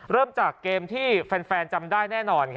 เริ่มจากเกมที่แฟนจำได้แน่นอน